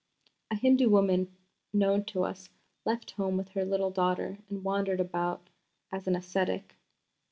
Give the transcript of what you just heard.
A Hindu woman known to us left home with her little daughter and wandered about as an ascetic.